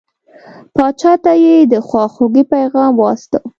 پاچا ته یې د خواخوږی پیغام واستاوه.